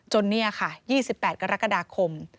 เนี่ยค่ะ๒๘กรกฎาคม